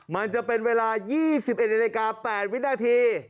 มันจะเป็นเวลา๒๑นาฬิกา๘วินาที